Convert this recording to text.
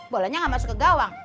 bolanya nggak masuk ke gawang